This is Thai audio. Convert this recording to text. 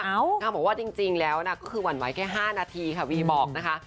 นางบอกว่าจริงแล้วนะก็คือหวั่นไหวแค่๕นาทีค่ะวีบอกนะคะ